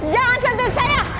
jangan sentuh saya